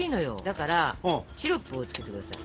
だからシロップをつけて下さい。